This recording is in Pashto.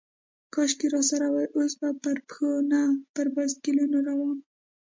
کاشکې راسره وای، اوس به پر پښو، نه پر بایسکلونو روان وای.